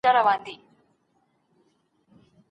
ډاکټر د لوړ ږغ سره پاڼه ړنګه کړه.